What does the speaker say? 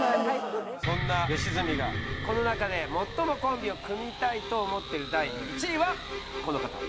そんな吉住がこの中で最もコンビを組みたいと思ってる第１位はこの方。